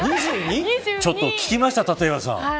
ちょっと聞きました、立岩さん。